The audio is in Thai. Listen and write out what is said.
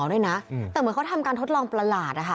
แต่เหมือนเค้าทำการทดลองประหลาด